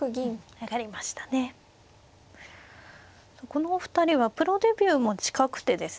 このお二人はプロデビューも近くてですね